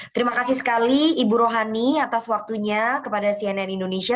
terima kasih sekali ibu rohani atas waktunya kepada cnn indonesia